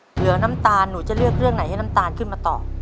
เหลือน้ำตาลหนูจะเลือกเรื่องไหนให้น้ำตาลขึ้นมาตอบ